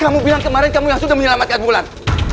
kamu bilang kemarin kamu yang sudah menyelamatkan bulan